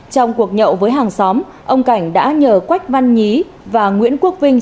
trong cuộc nhậu với hàng xóm ông cảnh đã nhờ quách văn nhí và nguyễn quốc vinh